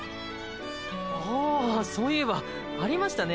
ああそういえばありましたね